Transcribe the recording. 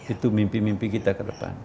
itu mimpi mimpi kita ke depan